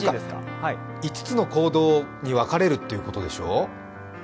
５つの行動に分かれるということでしょう？